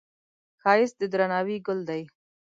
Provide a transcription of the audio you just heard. ښایست د درناوي ګل دی